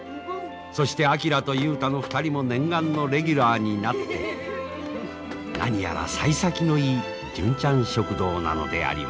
そして昭と雄太の２人も念願のレギュラーになって何やらさい先のいい純ちゃん食堂なのであります。